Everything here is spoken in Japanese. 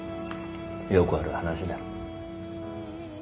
よくある話だ。